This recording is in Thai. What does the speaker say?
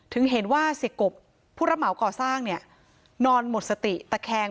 ถึงเห็นว่าเสียกบผู้รับเหมาก่อสร้างเนี่ยนอนหมดสติตะแคง